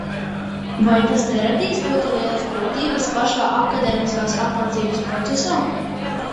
Vai tas neradīs ļoti lielas grūtības pašā akadēmiskās apmācības procesā?